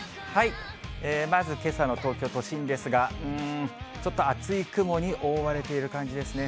まずけさの東京都心ですが、ちょっと厚い雲に覆われている感じですね。